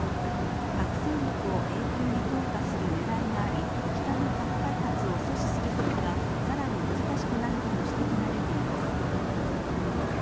核戦力を永久に強化するねらいがあり、北の核開発を阻止することがさらに難しくなるとの指摘が出ています。